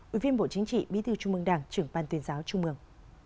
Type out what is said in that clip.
ủy viên bộ chính trị bí thư trung ương đảng trưởng ban tuyên giáo trung ương